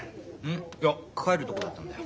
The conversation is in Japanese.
んいや帰るとこだったんだよ。